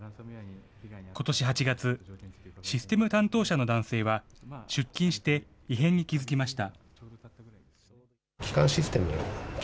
ことし８月、システム担当者の男性は、出勤して異変に気付きました。